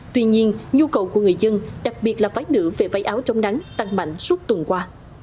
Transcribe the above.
tuy nhiên nhu cầu của người dân đặc biệt là váy nữ về váy áo chống nắng tăng mạnh suốt tuần qua